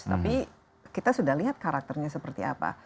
tapi kita sudah lihat karakternya seperti apa